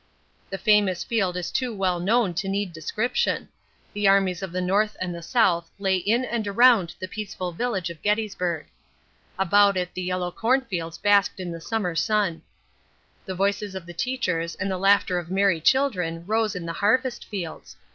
The famous field is too well known to need description. The armies of the North and the South lay in and around the peaceful village of Gettysburg. About it the yellow cornfields basked in the summer sun. The voices of the teachers and the laughter of merry children rose in the harvest fields.